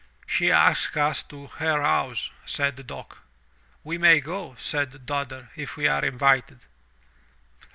"She asks us to her house/' said Dock. We may go/* said Dodder, '*if we are invited."